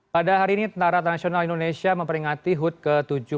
pada hari ini tni memperingati hut ke tujuh puluh tujuh